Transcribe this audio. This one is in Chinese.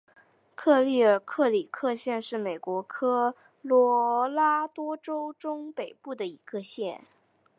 克利尔克里克县是美国科罗拉多州中北部的一个县。